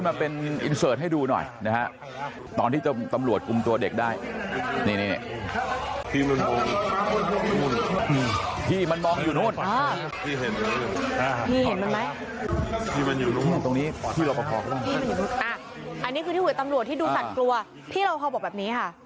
อันนี้คือที่หวยตำรวจที่ดูสั่นกลัวพี่รอพอบอกแบบนี้ค่ะ